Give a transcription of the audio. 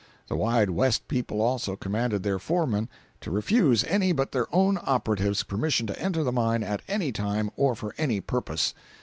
The Wide West people also commanded their foreman to refuse any but their own operatives permission to enter the mine at any time or for any purpose.